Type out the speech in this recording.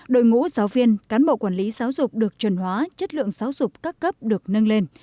đội ngũ giáo viên cán bộ quản lý giáo dục được truyền hóa chất lượng giáo dục các cấp được nâng lên